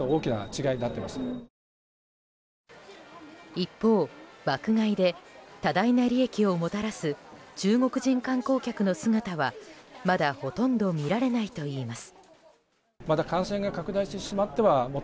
一方爆買いで多大な利益をもたらす中国人観光客の姿は、まだほとんど見られないといいます。